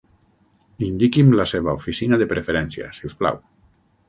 Indiqui'm la seva oficina de preferència, si us plau.